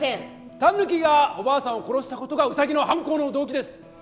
タヌキがおばあさんを殺した事がウサギの犯行の動機です。